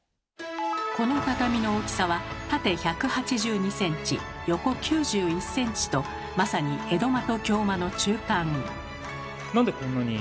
この畳の大きさは縦１８２ｃｍ横９１ｃｍとまさに江戸間と京間の中間。